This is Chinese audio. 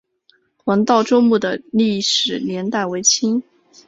黄道周墓的历史年代为清。